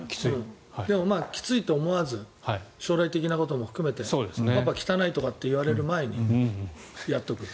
でも、きついと思わず将来的なことも含めて汚いとかって言われる前にやっておくと。